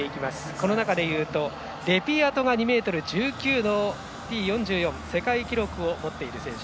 この中で言うとレピアトが２ｍ１９のＴ４４の世界記録を持っている選手。